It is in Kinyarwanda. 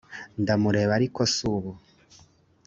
ndamureba e ariko si ubu